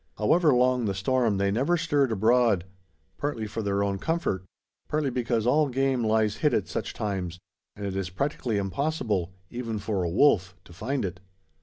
However long the storm, they never stirred abroad; partly for their own comfort, partly because all game lies hid at such times and it is practically impossible, even for a wolf, to find it.